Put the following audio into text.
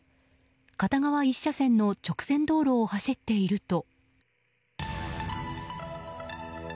片側１車線の直線道路を走っていると。